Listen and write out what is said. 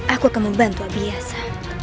aku akan membantu abiyasa